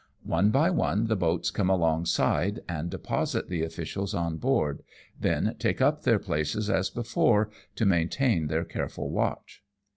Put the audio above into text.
One by one the boats come alongside, and deposit the officials on board, then take up their places as before, to maintain their careful watch.